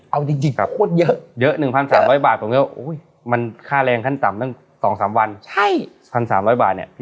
เอาจริงโครตเยอะ